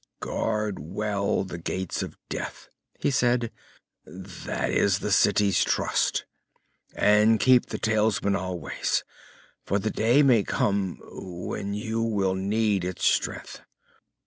"'Guard well the Gates of Death,' he said, 'that is the city's trust. And keep the talisman always, for the day may come when you will need its strength.